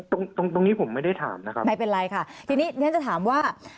ตรงตรงตรงนี้ผมไม่ได้ถามนะครับไม่เป็นไรค่ะทีนี้ฉันจะถามว่า